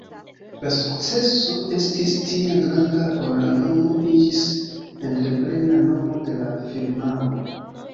La sukceso estis tiel granda ol la nomo iĝis entreprena nomo de la firmao.